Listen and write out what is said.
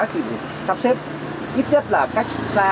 chỉ sắp xếp ít nhất là cách xa